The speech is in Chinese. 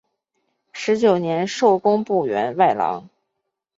十九年授工部员外郎。